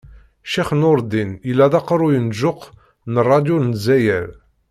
Ccix Nurdin yella d aqerru n lǧuq n rradyu n Lezzayer.